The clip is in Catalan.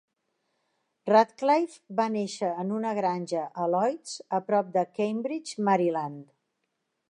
Radcliffe va néixer en una granja a Lloyds, a prop de Cambridge, Maryland.